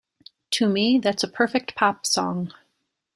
To me, that's a perfect pop song.